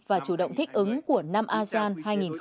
và chủ động thích ứng của năm asean hai nghìn hai mươi